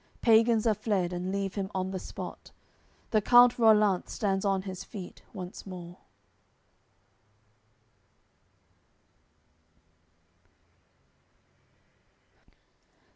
Pagans are fled, and leave him on the spot; The count Rollant stands on his feet once more.